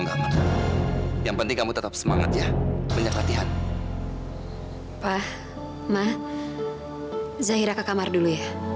kamu juara satu